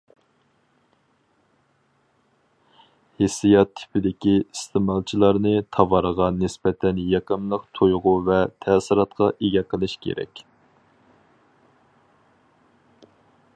ھېسسىيات تىپىدىكى ئىستېمالچىلارنى تاۋارغا نىسبەتەن يېقىملىق تۇيغۇ ۋە تەسىراتقا ئىگە قىلىش كېرەك.